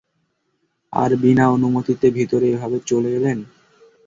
আর বিনা অনুমতিতে ভিতরে কিভাবে চলে এলেন?